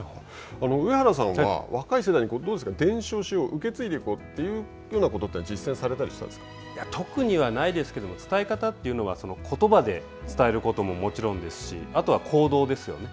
上原さんは若い世代に、伝承しよう、受け継いでいこうというようなことって特にはないですけども、伝え方というのは、ことばで伝えることももちろんですし、あとは行動ですよね。